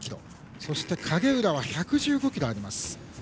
そして影浦は１１５ｋｇあります。